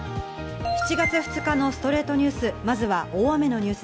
７月２日の『ストレイトニュース』。